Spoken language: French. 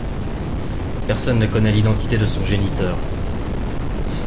Personne ne connaît l'identité de son géniteur.